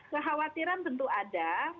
kekhawatiran tentu ada